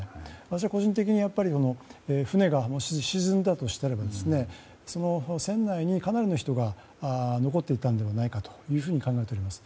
私は個人的に船が沈んだとしたら船内にかなりの人が残っていたのではないかと考えております。